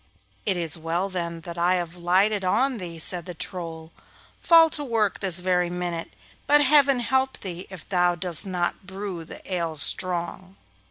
'It is well then that I have lighted on thee,' said the Troll. 'Fall to work this very minute, but Heaven help thee if thou dost not brew the ale strong.